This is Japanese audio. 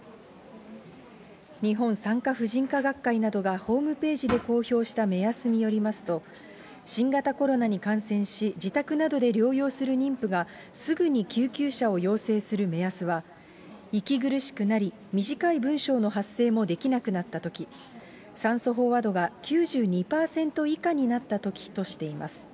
日本産科婦人科学会などがホームページで公表した目安によりますと、新型コロナに感染し、自宅などで療養する妊婦がすぐに救急車を要請する目安は、息苦しくなり短い文章の発生もできなくなったとき、酸素飽和度が９２％以下になったときとしています。